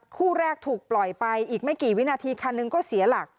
คู่แรกถูกปล่อยไปอีกไม่กี่วินาทีคันหนึ่งก็เสียหลัก